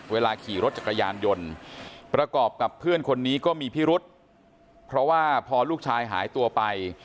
เวลาขี่รถจักรยานยนต์ประกอบกับเพื่อนคนนี้ก็มีพิรุษเพราะว่าพอลูกชายหายตัวไป